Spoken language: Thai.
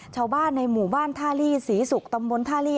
ชาวบ้านในหมู่บ้านท่าลี่ศรีศุกร์ตำบลท่าลี่